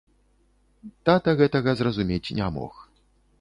Тата гэтага зразумець не мог.